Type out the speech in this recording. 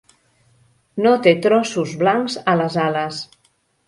No té trossos blancs a les ales.